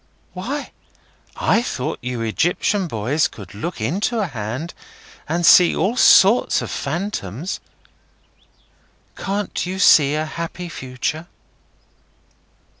"Why, I thought you Egyptian boys could look into a hand and see all sorts of phantoms. Can't you see a happy Future?"